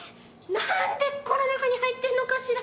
何でこの中に入ってるのかしら？